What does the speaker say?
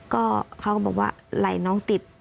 ก็เขาก็บอกว่าไหล่น้องติด